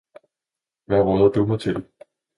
Hvad råder du mig til?